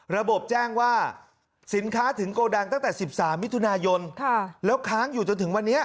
ระบบแจ้งว่าสินค้าถึงโกดังตั้งแต่๑๓มิถุนายนแล้วค้างอยู่จนถึงวันนี้